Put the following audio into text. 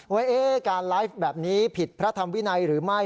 ว่าการไลฟ์แบบนี้ผิดพระธรรมวินัยหรือไม่